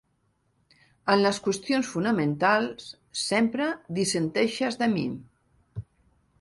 En les qüestions fonamentals, sempre dissenteixes de mi.